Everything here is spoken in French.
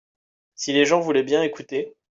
si les gens voulaient bien écouter.